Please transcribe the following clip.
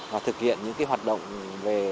và thực hiện những hoạt động về